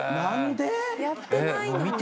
やってないのに？